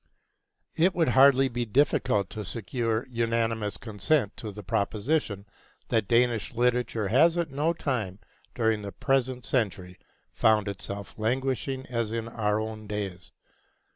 It would hardly be difficult to secure unanimous consent to the proposition that Danish literature has at no time during the present century found itself languishing as in our own days.